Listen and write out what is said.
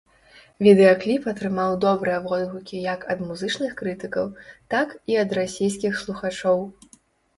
Відэакліп атрымаў добрыя водгукі як ад музычных крытыкаў, так і ад расійскіх слухачоў.